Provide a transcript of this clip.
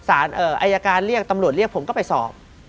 อายการเรียกตำรวจเรียกผมก็ไปสอบ